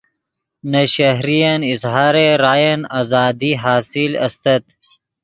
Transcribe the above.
نے شہرین اظہارِ راین آزادی حاصل استت